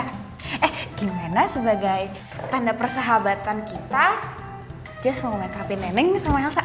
eh gimana sebagai tanda persahabatan kita jess mau makeup in nenek sama elsa